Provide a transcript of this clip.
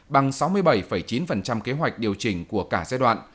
bằng sáu mươi bảy chín kế hoạch điều chỉnh của cả giai đoạn